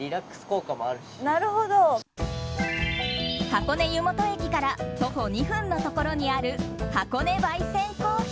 箱根湯本駅から徒歩２分のところにある箱根焙煎珈琲。